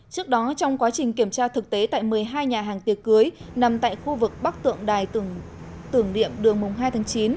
trước đó trong quá trình kiểm tra thực tế tại một mươi hai nhà hàng tiệc cưới nằm tại khu vực bắc tượng đài tưởng niệm đường hai tháng chín